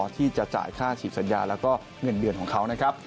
ที่จะจ่ายค่าศีรษัทยาและก็เหนื่อยเบียดของเขา